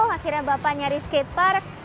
akhirnya bapak nyari skatepark